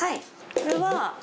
これは。